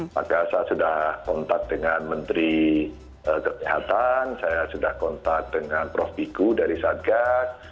maka saya sudah kontak dengan menteri kesehatan saya sudah kontak dengan prof biku dari satgas